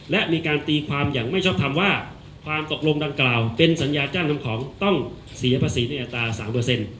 และมีการตีความอย่างไม่ชอบทำว่าความตกลงดังกล่าวเป็นสัญญาจ้างทำของต้องเสียภาษีในอัตราสามเปอร์เซ็นต์